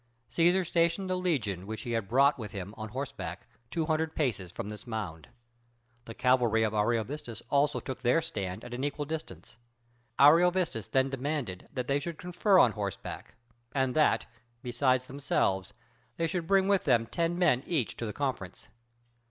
Cæsar stationed the legion which he had brought with him on horseback, two hundred paces from this mound. The cavalry of Ariovistus also took their stand at an equal distance. Ariovistus then demanded that they should confer on horseback, and that, besides themselves, they should bring with them ten men each to the conference.